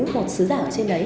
một sứ giả ở trên đấy